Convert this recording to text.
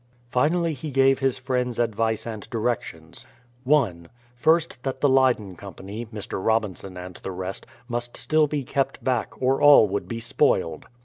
Finally he gave his friends advice and directions : 1. First, that the Leyden company (Mr. Robinson and the rest) must still be kept back, or all would be spoiled.